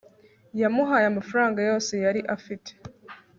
yamuhaye amafaranga yose yari afite